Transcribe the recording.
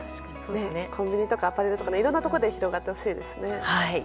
コンビニやアパレルとかいろんなところで広がってほしいですね。